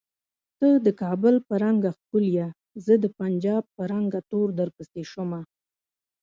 ته د کابل په رنګه ښکولیه زه د پنجاب په رنګ تور درپسې شومه